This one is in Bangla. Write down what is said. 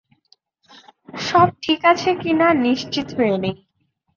সব ঠিক আছে কি না নিশ্চিত হয়ে নেই।